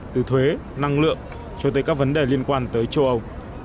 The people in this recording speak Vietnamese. từ thuế năng lượng cho tới các vấn đề liên quan tới châu âu